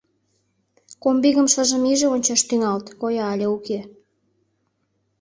— Комбигым шыжым иже ончаш тӱҥалыт: коя але уке...